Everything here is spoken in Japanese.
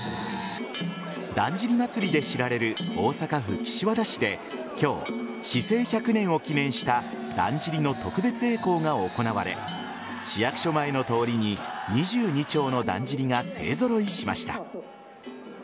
だんじり祭りで知られる大阪府岸和田市で今日、市制１００年を記念しただんじりの特別えい行が行われ市役所前の通りに２２町のだんじりが勢揃いしました。